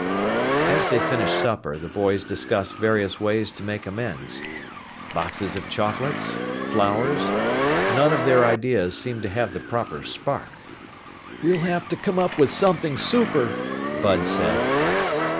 As they finished supper, the boys discussed various ways to make amends. Boxes of chocolates? Flowers? None of their ideas seemed to have the proper spark. "We'll have to come up with something super," Bud said.